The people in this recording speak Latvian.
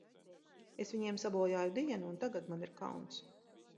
Es viņiem sabojāju dienu, un tagad man ir kauns.